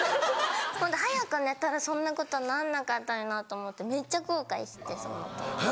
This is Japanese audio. そんで早く寝たらそんなことなんなかったのになと思ってめっちゃ後悔してその後。